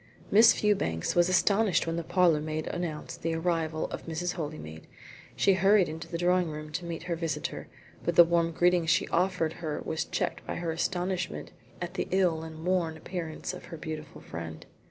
Miss Fewbanks was astonished when the parlourmaid announced the arrival of Mrs. Holymead. She hurried to the drawing room to meet her visitor, but the warm greeting she offered her was checked by her astonishment at the ill and worn appearance of her beautiful friend.